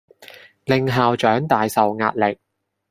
令校長大受壓力